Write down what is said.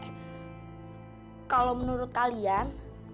eh kalau menurut kalian